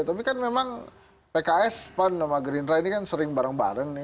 tapi kan memang pks pan sama gerindra ini kan sering bareng bareng nih